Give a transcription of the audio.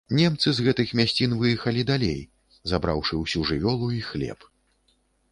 Немцы з гэтых мясцін выехалі далей, забраўшы ўсю жывёлу і хлеб.